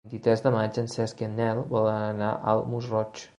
El vint-i-tres de maig en Cesc i en Nel volen anar al Masroig.